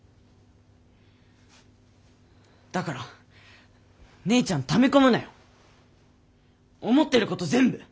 だから姉ちゃんため込むなよ。思ってること全部。